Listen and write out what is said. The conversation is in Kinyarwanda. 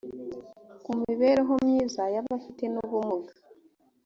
ku mibereho myiza y abafite n ubumuga